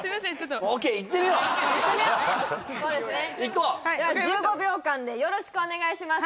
こう１５秒間でよろしくお願いします